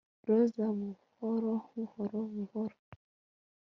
Roza buhoroBuhoro buhoro